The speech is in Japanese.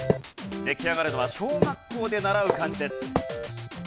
出来上がるのは小学校で習う漢字です。